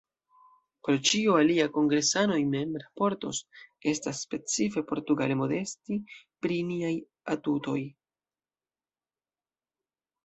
Pri ĉio alia kongresanoj mem raportos — estas specife portugale modesti pri niaj atutoj.